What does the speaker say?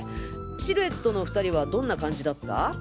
シルエットの２人はどんな感じだった？